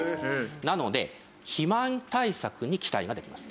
なので肥満対策に期待ができます。